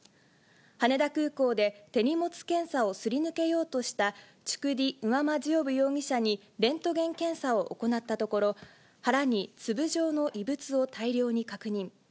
羽田空港で手荷物検査をすり抜けようとした、チュクディ・ンワマジオブ容疑者にレントゲン検査を行ったところ、腹に粒状の異物を大量に確認。